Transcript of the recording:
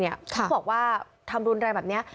เขาบอกว่าทำรุนแรงแบบนี้